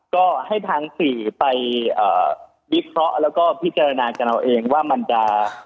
ก็ให้ทางสื่อไปวิเคราะห์แล้วก็พิจารณากันเอาเองว่ามันจะ